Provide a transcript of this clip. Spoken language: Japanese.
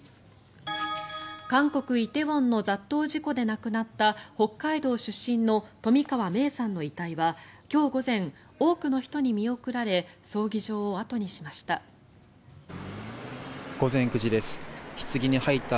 韓国・梨泰院の雑踏事故で亡くなった北海道出身の冨川芽生さんの遺体は今日午前、多くの人に見送られ葬儀場を後にしました。